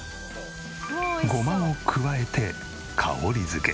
ゴマを加えて香り付け。